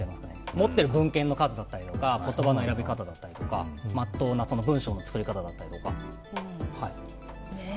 持ってる文献の量だったり言葉の選び方とか真っ当な文章の作り方だったりとか。